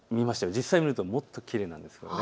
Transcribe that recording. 実際に見るともっときれいなんです。